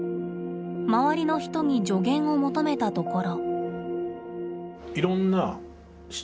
周りの人に助言を求めたところ。